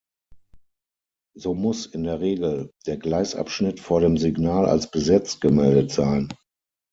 So muss in der Regel der Gleisabschnitt vor dem Signal als besetzt gemeldet sein.